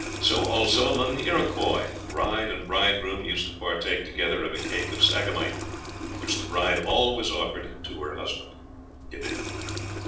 So, also, among the Iroquois the bride and bridegroom used to partake together of a cake of sagamite, which the bride always offered to her husband." (Ibid.)